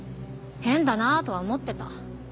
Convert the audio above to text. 変だなとは思ってた。